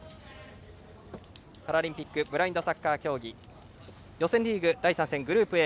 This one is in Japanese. パラリンピックブラインドサッカー競技予選リーグ第３戦グループＡ